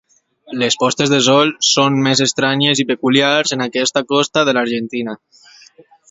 Les postes de sol són més estranyes i espectaculars en aquesta costa de l'Argentina.